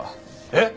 えっ！？